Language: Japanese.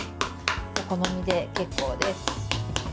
お好みで結構です。